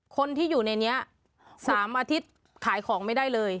คนที่อยู่ในนี้๓อาทิตย์ขายของไม่ได้เลย